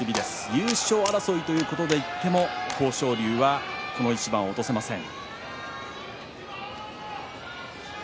優勝争いということを言っても豊昇龍はこの一番を落とせません。